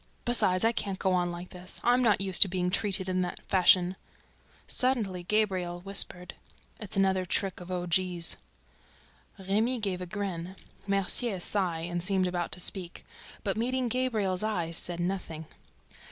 ... Besides, it can't go on like this! I'm not used to being treated in that fashion!" Suddenly Gabriel whispered: "It's another trick of O. G.'s." Rimy gave a grin, Mercier a sigh and seemed about to speak ... but, meeting Gabriel's eye, said nothing.